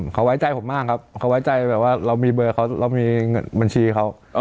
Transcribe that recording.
เขาไว้ใจผมมากครับเขาไว้ใจแบบว่าเรามีเบอร์เขาเรามีเงินบัญชีเขา